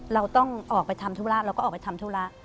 เราต้องออกไปทำธุระเราก็ออกไปทำธุระ